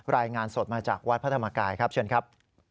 รายงานสดมาจากวัดพระธรรมกายครับเชิญครับ